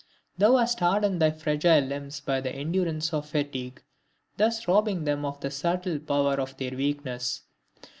Thou hast hardened thy fragile limbs by the endurance of fatigue, thus robbing them of the subtle power of their weakness!